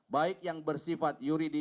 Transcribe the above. baik yang bersifat yuridik